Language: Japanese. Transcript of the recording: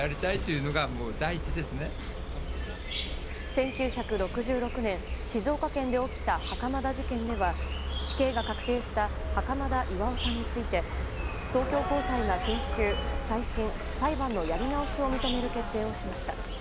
１９６６年静岡県で起きた袴田事件では死刑が確定した袴田巌さんについて東京高裁は先週再審・裁判のやり直しを認める決定をしました。